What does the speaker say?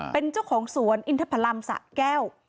เป็นเจ้าของสวนอินทพลัมสะแก้ว